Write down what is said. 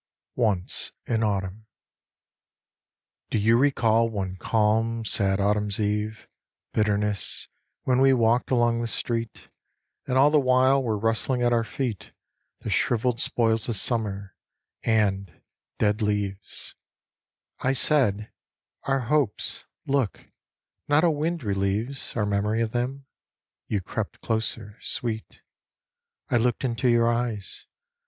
Once in Autumn DO you recall one calm, sad autumn eve's Bitterness, when we walked along the street And all the while were rustling at our feet The shrivelled spoils of summer, and " Dead leaves," I said, " our hopes look, not a wind relieves Our memory of them ?" You crept closer, sweet. I looked into your eyes.